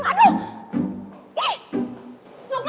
gue belum selesai apa